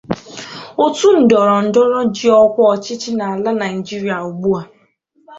òtú ndọrọndọrọ ji ọkwa ọchịchị n'ala Nigeria ugbua.